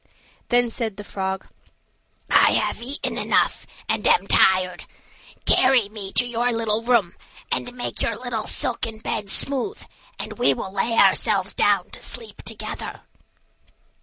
Then said the frog, "I have eaten enough, and am tired; carry me to your little room, and make your little silken bed smooth, and we will lay ourselves down to sleep together."